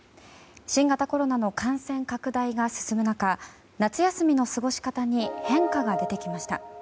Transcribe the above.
新型コロナの感染拡大が進む中夏休みの過ごし方に変化が出てきました。